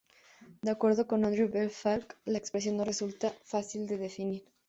De acuerdo con Andrew Bell-Fialkoff, la expresión no resulta fácil de definir.